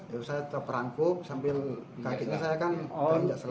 terus saya terperangkuk sambil kakinya saya kan menjatuhkan selang